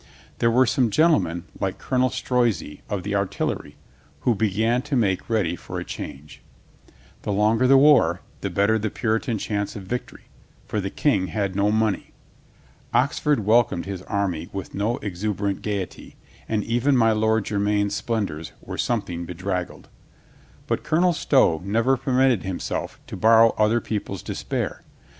There were some gen tlemen, like Colonel Strozzi of the artillery, who began to make ready for a change. The longer the war, the better the Puritan chance of victory; for the King had no money. Oxford welcomed his army with no exuberant gaiety, and even my Lord Jermyn's splendors were something bedraggled. But Colonel Stow never permitted himself to borrow other people's despair.